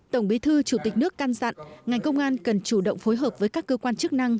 tổng bí thư chủ tịch nước căn dặn ngành công an cần chủ động phối hợp với các cơ quan chức năng